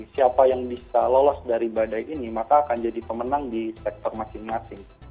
siapa yang bisa lolos dari badai ini maka akan jadi pemenang di sektor masing masing